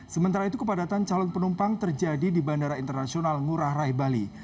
sementara itu kepadatan calon penumpang terjadi di bandara internasional ngurah rai bali